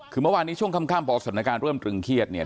คือเมื่อวานนี้ช่วงค่ำพอสถานการณ์เริ่มตรึงเครียดเนี่ย